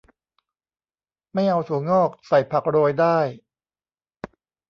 ไม่เอาถั่วงอก ใส่ผักโรยได้